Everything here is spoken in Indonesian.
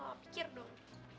wah pikir dong